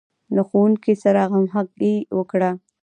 له ښوونکي سره همغږي وکړه.